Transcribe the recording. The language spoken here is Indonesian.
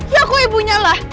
ya aku ibunya lah